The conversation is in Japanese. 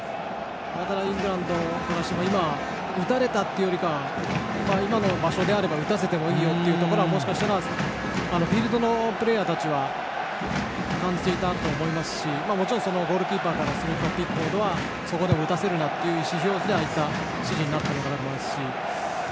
ただイングランドも打たれたというよりは今の場所にあれば打たせてもいいよというのがもしかしたらフィールドのプレーヤーたちは感じていたと思いますしもちろんゴールキーパーのピックフォードはそこでも打たせるなという意思表示でああいった指示になったのかなと思いますし。